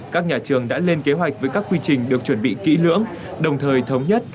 các nhà trường đã lên kế hoạch với các quy trình được chuẩn bị kỹ lưỡng đồng thời thống nhất